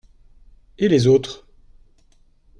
Et les autres?